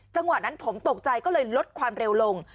จังหวะนั้นผมตกใจก็เลยลดความเร็วลง